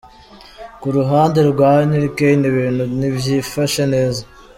Ku ruhande rwa Harry Kane, ibintu ntivyifashe neza.